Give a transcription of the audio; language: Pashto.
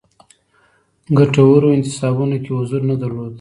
ګټورو انتصابونو کې حضور نه درلود.